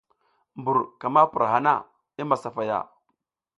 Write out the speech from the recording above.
Mbur ka ma pura hana, i masafaya.